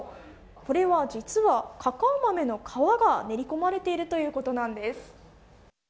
これは実は、カカオ豆の皮が練り込まれているということなんです。